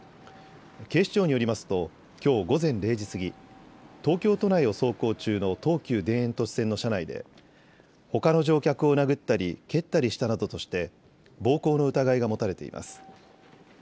警視庁によりますときょう午前０時過ぎ、東京都内を走行中の東急田園都市線の車内でほかの乗客を殴ったり蹴ったりしたなどとして暴行の疑いが持たれています。